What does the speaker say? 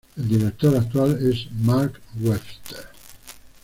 El director actual es Mark Webster.